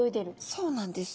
そうなんです！